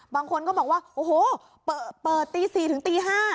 บางคนก็บอกว่าโอ้โหเปิดตี๔ถึงตี๕